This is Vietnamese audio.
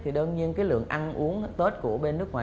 thì đơn nhiên cái lượng ăn uống tết của bên nước ngoài